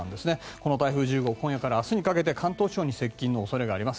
この台風１０号今夜から明日にかけて関東地方に接近の恐れがあります。